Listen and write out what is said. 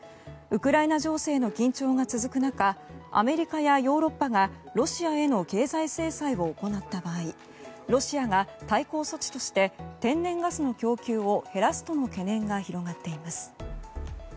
ウクライナ情勢の緊張が続く中アメリカやヨーロッパがロシアへの経済制裁を行った場合ロシアが対抗措置として天然ガスの供給を減らすとの懸念が広がっています。